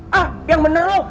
hah yang bener lho